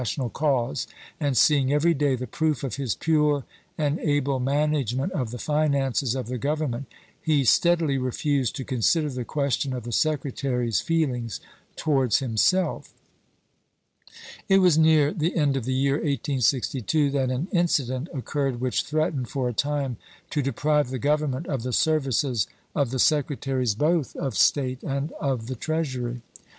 xii. tional cause, and seeing every day the proof of his pure and able management of the finances of the Government he steadily refused to consider the question of the Secretary's feelings towards himself. It was near the end of the year 1862 that an in cident occurred which threatened for a time to deprive the Grovernment of the services of the Sec retaries both of State and of the Treasury.